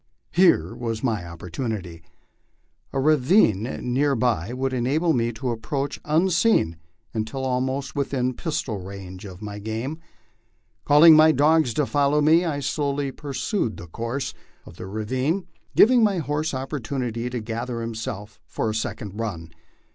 Here was my opportunity. A ravine near by would enable me to approach unseen until almost within pistol range of my game. Calling my dogs to follow me, I slowly pursued the course of the ravine, giving my horse opportunity to gather himself for the second run.